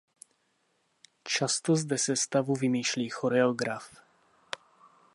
Často zde sestavu vymýšlí choreograf.